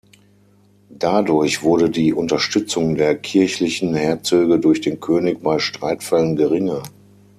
Dadurch wurde die Unterstützung der kirchlichen Herzöge durch den König bei Streitfällen geringer.